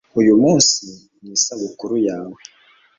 uyumunsi ni isabukuru yawe